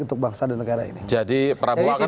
untuk bangsa dan negara ini jadi prabowo akan